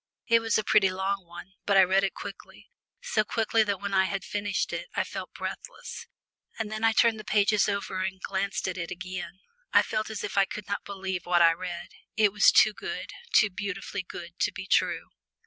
It was a pretty long one, but I read it quickly, so quickly that when I had finished it, I felt breathless and then I turned over the pages and glanced at it again. I felt as if I could not believe what I read. It was too good, too beautifully good to be true.